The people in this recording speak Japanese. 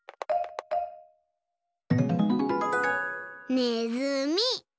ねずみ。